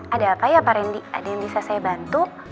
ada apa ya pak rendy ada yang bisa saya bantu